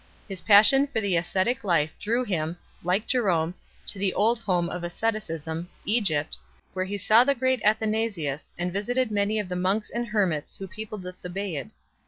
His passion for the ascetic life drew him, like Jerome, to the old home of asceticism, Egypt, where he saw the great Athanasius and visited many of the monks and hermits who peopled the Thebaid.